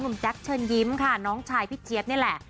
แจ๊คเชิญยิ้มค่ะน้องชายพี่เจี๊ยบนี่แหละ